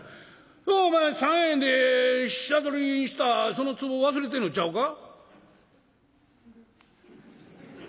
そりゃお前３円で下取りしたそのつぼ忘れてんのちゃうか？」。